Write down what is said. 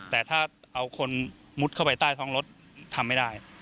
แต่ถ้าเอาคนมุดเข้าไปใต้ท้องรถทำไม่ได้